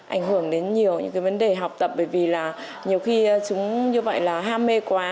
ảnh hưởng đến nhiều những cái vấn đề học tập bởi vì là nhiều khi chúng như vậy là ham mê quá